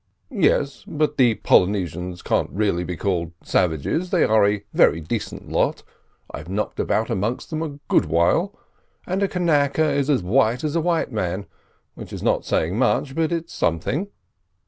"Yes; but the Polynesians can't be really called savages; they are a very decent lot. I've knocked about amongst them a good while, and a kanaka is as white as a white man—which is not saying much, but it's something.